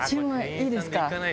いいですか？